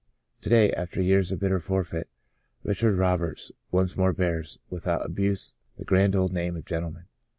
To day, after years of bitter forfeiture, Rich ard Roberts once more bears "without abuse the grand old name of gentleman."